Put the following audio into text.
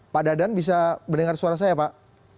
pak dadan bisa mendengar suara saya pak